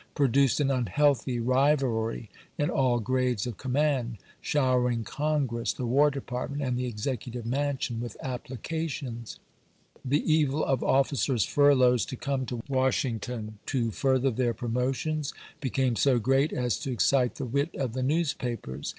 produced an unhealthy rivalry in all grades of com mand, showering Congress, the War Department, and the Executive Mansion with applications. The evil of officers' furloughs to come to Washington to further their promotions became so great as to excite the wit of the newspapers.